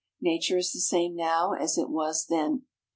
Nature is the same now as it was then.